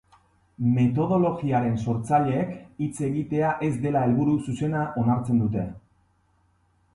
Metodologiaren sortzaileek hitz egitea ez dela helburu zuzena onartzen dute.